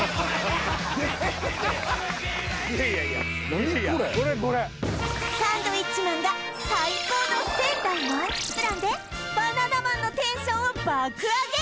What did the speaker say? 何これサンドウィッチマンが最高の仙台満喫プランでバナナマンのテンションを爆上げ！